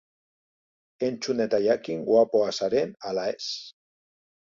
Entzun eta jakin guapoa zaren ala ez!